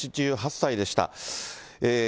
８８歳でした。